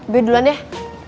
gue duluan deh